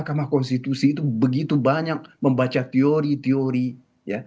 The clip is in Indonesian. mahkamah konstitusi itu begitu banyak membaca teori teori ya